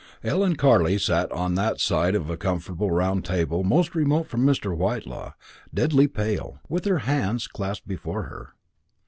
Ellen Carley sat on that side of the comfortable round table most remote from Mr. Whitelaw, deadly pale, with her hands clasped before her.